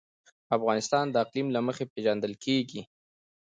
افغانستان د اقلیم له مخې پېژندل کېږي.